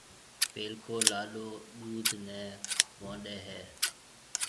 پيلڪو لاڏو ڏُوڌ نيَ وونڏَي ھيََََ